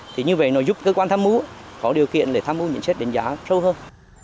thì như vậy nó giúp cơ quan tham mưu có điều kiện để tham mưu nhận xét đánh giá sâu hơn